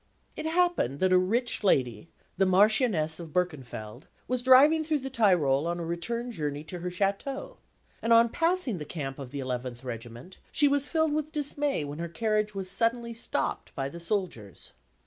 It happened that a rich lady, the Marchioness of Berkenfeld, was driving through the Tyrol on a return journey to her château; and on passing the camp of the Eleventh Regiment, she was filled with dismay when her carriage was suddenly stopped by the soldiers.